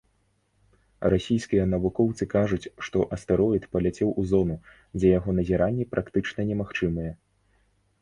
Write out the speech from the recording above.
Расійскія навукоўцы кажуць, што астэроід паляцеў у зону, дзе яго назіранні практычна немагчымыя.